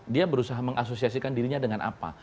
dia berusaha mengasosiasikan dirinya dengan apa